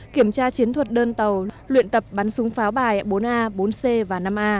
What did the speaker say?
kiểm tra chiến thuật đơn tàu luyện tập bắn súng pháo bài bốn a bốn c và năm a